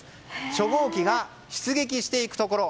初号機が出撃していくところ。